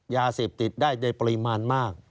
ยาเสพติดได้ในปริมาณมาก